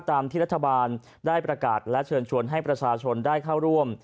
ตามที่รัฐบาลได้ประกาศและเชิญชวนให้ประชาชนได้เข้าร่วม